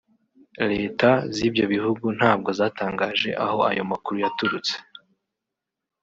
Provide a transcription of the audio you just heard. Leta z’ibyo bihugu ntabwo zatangaje aho ayo makuru yaturutse